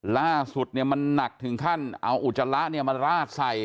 ล่าสุดมันนักถึงขั้นเอาอุจาระเนี่ยมาลาดใส